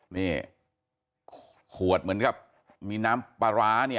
นี่ขวดเหมือนกับมีน้ำปลาร้าเนี่ย